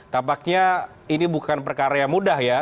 tampaknya ini bukan perkara yang mudah ya